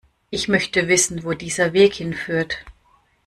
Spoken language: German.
Ich möchte wissen, wo dieser Weg hinführt.